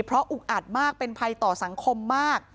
เพราะอุกอัดมากเป็นภัยต่อสังคมมาก